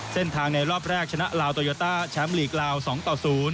ในรอบแรกชนะลาวโตโยต้าแชมป์ลีกลาว๒ต่อ๐